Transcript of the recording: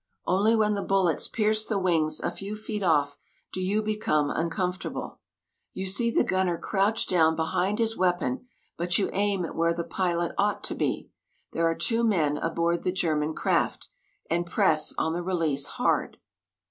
Only when the bullets pierce the wings a few feet off do you become uncomfortable. You see the gunner crouched down behind his weapon, but you aim at where the pilot ought to be there are two men aboard the German craft and press on the release hard.